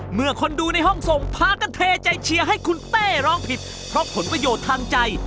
เมื่อคนดูในห้องส่งพากันเทใจเชียร์ให้คุณเต้ร้องผิดเพราะผลประโยชน์ทางใจ